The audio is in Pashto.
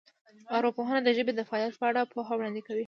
ارواپوهنه د ژبې د فعالیت په اړه پوهه وړاندې کوي